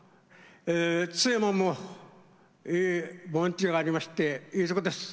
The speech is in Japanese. え津山も盆地がありましていいとこです。